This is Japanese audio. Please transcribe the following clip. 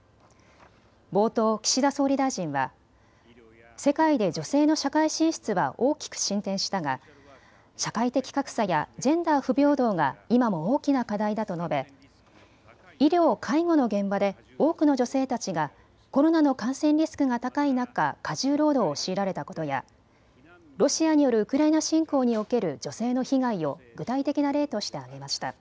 冒頭、岸田総理大臣は世界で女性の社会進出は大きく進展したが社会的格差やジェンダー不平等が今も大きな課題だと述べ医療・介護の現場で多くの女性たちがコロナの感染リスクが高い中、過重労働を強いられたことやロシアによるウクライナ侵攻における女性の被害を具体的な例として挙げました。